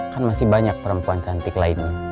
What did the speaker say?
kan masih banyak perempuan cantik lainnya